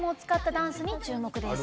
ダンスに注目です。